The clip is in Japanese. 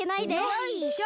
よいしょ！